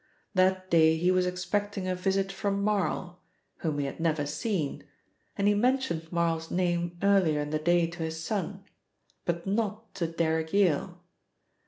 That day he was expecting a visit from Marl, whom he had never seen, and he mentioned Marl's name earlier in the day to his son, but not to Derrick Yale.